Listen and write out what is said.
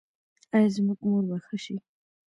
ایا زما مور به ښه شي؟